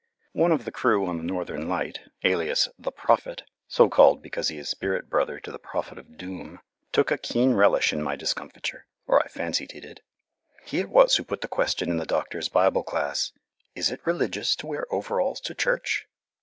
One of the crew on the Northern Light, alias the Prophet, so called because he is spirit brother to the Prophet of Doom, took a keen relish in my discomfiture, or I fancied he did. He it was who put the question in the doctor's Bible class, "Is it religious to wear overalls to church?"